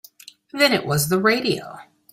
Then it was the radio.